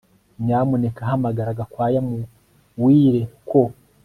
Nyamuneka hamagara Gakwaya muwire ko